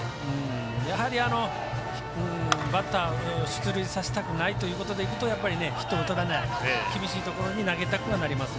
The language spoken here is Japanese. やはり、バッター出塁させたくないというところで言うとやっぱりヒットを打たれない厳しいところに投げたくなります。